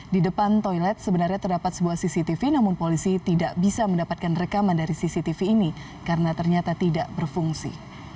di depan toilet sebenarnya terdapat sebuah cctv namun polisi tidak bisa mendapatkan rekaman dari cctv ini karena ternyata tidak berfungsi